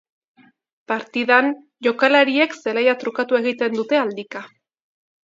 Partidan, jokalariek zelaia trukatu egiten dute aldika.